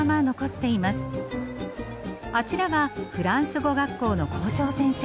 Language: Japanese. あちらはフランス語学校の校長先生。